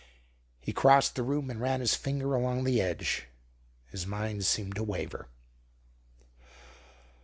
He crossed the room and ran his finger along the edge. His mind seemed to waver.